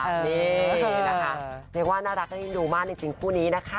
นี่แล้วน่ารักก็ให้ดูมากกี่สิ่งคู่นี้นะค่ะ